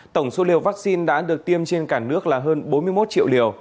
tổng số liều vaccine đã được tiêm trên cả nước là hơn bốn mươi một triệu liều